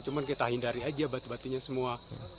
cuman kita hindari aja batu batunya semua